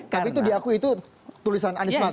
tapi itu diakui itu tulisan anies mata